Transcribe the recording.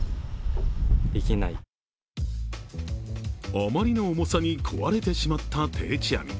あまりの重さに壊れてしまった定置網。